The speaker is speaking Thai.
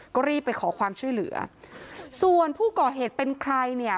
ก็รีบไปขอความช่วยเหลือส่วนผู้ก่อเหตุเป็นใครเนี่ย